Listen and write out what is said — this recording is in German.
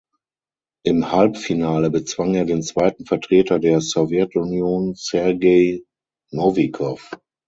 Im Halbfinale bezwang er den zweiten Vertreter der Sowjetunion Sergei Nowikow.